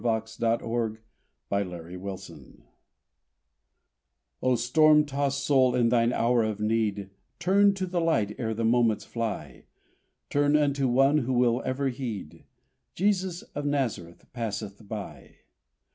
JESUS OF NAZARETH PASSETH BY O storm tost soul in thine hour of need Turn to the light ere the moments fly, Turn unto One who will ever heed Jesus of Nazareth passeth by!